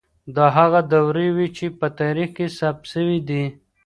دا هغه دورې وې چي په تاريخ کي ثبت سوې دي.